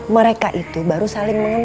mereka itu baru saling mengenal